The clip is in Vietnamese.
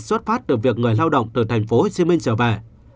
xuất phát từ việc người lao động từ tp hcm trở về